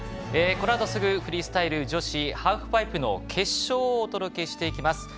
このあとすぐフリースタイル女子ハーフパイプの決勝をお届けします。